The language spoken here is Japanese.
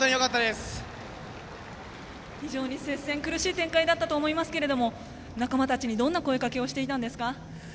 接戦非常に苦しい展開だったと思いますけれども仲間たちにどんな声かけをしていたんですか？